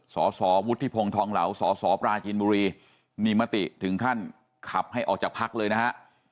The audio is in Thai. สสวุฒิพงศ์ทองเหลาสสปราจินบุรีมีมติถึงขั้นขับให้ออกจากพักเลยนะฮะ